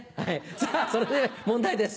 さぁそれでは問題です。